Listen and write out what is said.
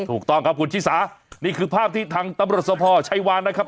ถูกต้องครับคุณชิสานี่คือภาพที่ทางตำรวจสภชัยวานนะครับ